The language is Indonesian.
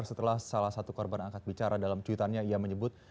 setelah salah satu korban angkat bicara dalam cuitannya ia menyebut